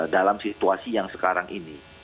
dalam situasi yang sekarang ini